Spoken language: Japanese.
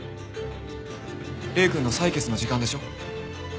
礼くんの採血の時間でしょ？